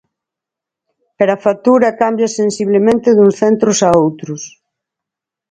Pero a factura cambia sensiblemente duns centros a outros.